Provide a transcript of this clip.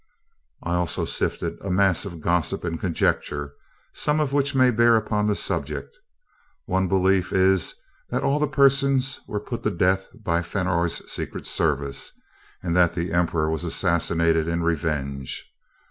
"I also sifted a mass of gossip and conjecture, some of which may bear upon the subject. One belief is that all the persons were put to death by Fenor's secret service, and that the Emperor was assassinated in revenge.